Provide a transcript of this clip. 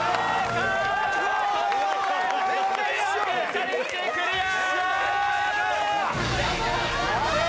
チャレンジクリア！